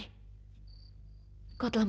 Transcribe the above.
kau telah mencari brahma